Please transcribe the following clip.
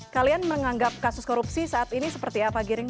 kalian menganggap kasus korupsi saat ini seperti apa giring